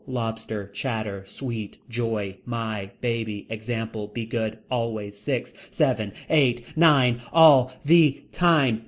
Lobster. Chatter. Sweet. Joy. My. Baby. Example. Be good. Always. Six. Seven. Eight. Nine. All. The. Time.